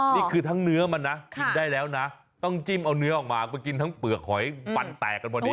นี่คือทั้งเนื้อมันนะกินได้แล้วนะต้องจิ้มเอาเนื้อออกมามากินทั้งเปลือกหอยปันแตกกันพอดี